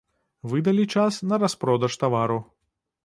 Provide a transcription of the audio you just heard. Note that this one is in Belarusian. Вы далі час на распродаж тавару.